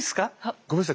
ごめんなさい。